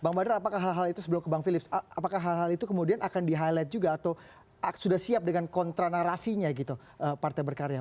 bang badar apakah hal hal itu sebelum ke bang philips apakah hal hal itu kemudian akan di highlight juga atau sudah siap dengan kontra narasinya gitu partai berkarya